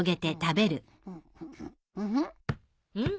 うん？